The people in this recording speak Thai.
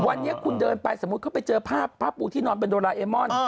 วันนี้คุณเดินไปสมมุติเขาไปเจอผ้าปูที่นอนเป็นโดราเอมอน